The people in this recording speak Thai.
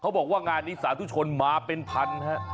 เขาบอกว่างานนี้สาธุชนหมาเป็นพันธุ์